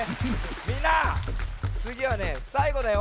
みんなつぎはねさいごだよ。